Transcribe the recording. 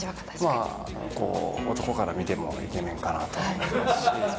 まあ男から見てもイケメンかなと思いますし。